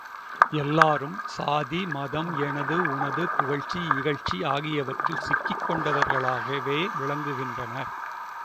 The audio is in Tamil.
எல்லாரும் சாதி, மதம், எனது, உனது, புகழ்ச்சி, இகழ்ச்சி ஆகியவற்றில் சிக்கிக் கொண்டவர்களாகவே விளங்குகின்றனர்.